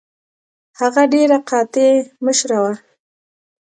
هغه ډیره قاطع مشره وه.